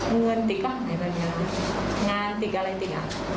เงินติดก็หายแบบนี้งานติดอะไรติด